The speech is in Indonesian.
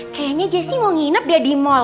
kayaknya jessi mau nginep udah di mall